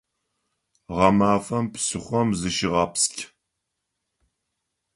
Гъэмафэм псыхъом зыщыгъэпскӏ!